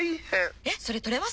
えっそれ取れますよ！